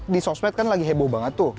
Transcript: di sosmed kan lagi heboh banget tuh